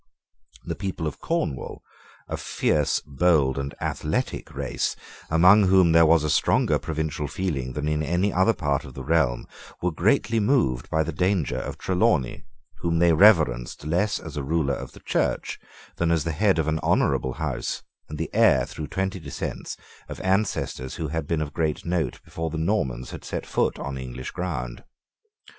The people of Cornwall, a fierce, bold, and athletic race, among whom there was a stronger provincial feeling than in any other part of the realm, were greatly moved by the danger of Trelawney, whom they reverenced less as a ruler of the Church than as the head of an honourable house, and the heir through twenty descents of ancestors who had been of great note before the Normans had set foot on English ground.